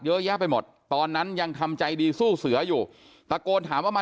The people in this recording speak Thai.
เยอะแยะไปหมดตอนนั้นยังทำใจดีสู้เสืออยู่ตะโกนถามว่ามา